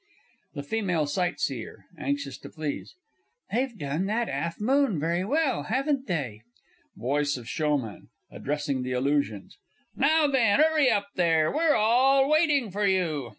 _ THE FEMALE SIGHTSEER (anxious to please). They've done that 'alf moon very well, haven't they? VOICE OF SHOWMAN (addressing the Illusions). Now then, 'urry up there we're all waiting for you.